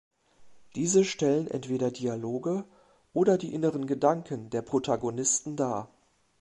Diese stellen entweder Dialoge oder die inneren Gedanken der Protagonisten dar.